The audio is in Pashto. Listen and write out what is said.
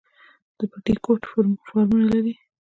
د بټي کوټ فارمونه لري